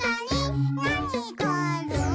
「なにがある？」